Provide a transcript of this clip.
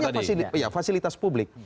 untuk membangun banyak fasilitas publik